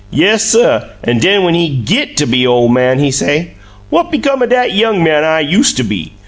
Yes, suh, an' den when he GIT to be ole man, he say, 'What become o' dat young man I yoosta be?